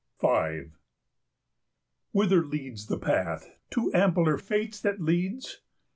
V. Whither leads the path To ampler fates that leads?